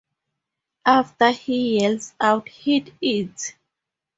After he yells out hit it!